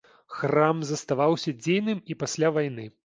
Храм заставаўся дзейным і пасля вайны.